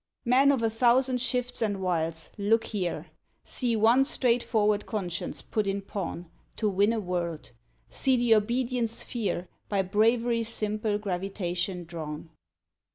Men of a thousand shifts and wiles, look here! See one straightforward conscience put in pawn To win a world; see the obedient sphere By bravery's simple gravitation drawn!